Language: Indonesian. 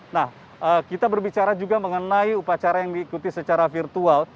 nah kita berbicara juga mengenai upacara yang diikuti secara virtual